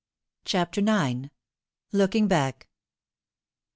CHAPTER IX. LOOKING BACK.